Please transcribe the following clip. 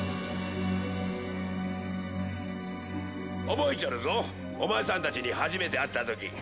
覚えちょるぞお前さん達に初めて会った時